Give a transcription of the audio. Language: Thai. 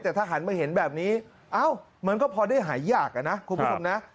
แต่ถ้าหันมาเห็นแบบนี้เอ้ามันก็พอได้หายากอะนะคุณผู้ชมนะ